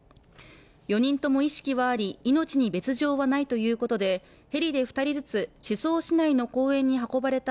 ４人とも意識はあり、命に別条はないということでヘリで２人ずつ宍粟市内の公園に運ばれた